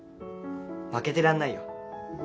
負けてらんないよ。